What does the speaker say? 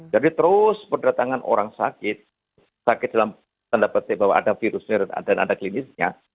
jadi terus kedatangan orang sakit sakit dalam tanda petik bahwa ada virus dan ada klinisnya